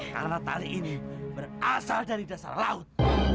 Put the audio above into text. karena tali ini berasal dari dasar laut